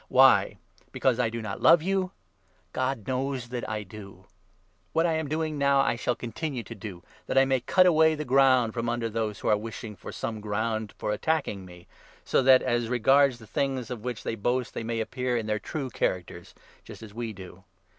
Why ? Because 1 1 I do not love you ? God knows that I do ! What I am doing now I shall continue to do, that I may cut 12 away the ground from under those who are wishing for some ground for attacking me, so that as regards the thing of which they boast they may appear in their true characters, just as we do.